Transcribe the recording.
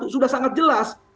sudah sangat jelas